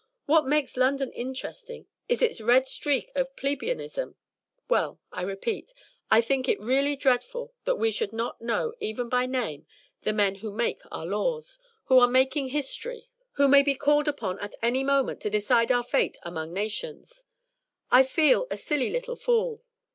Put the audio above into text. What makes London interesting is its red streak of plebeianism; well, I repeat, I think it really dreadful that we should not know even by name the men who make our laws, who are making history, who may be called upon at any moment to decide our fate among nations. I feel a silly little fool."